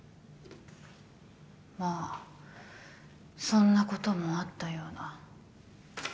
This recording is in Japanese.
まあそんなこともあったような。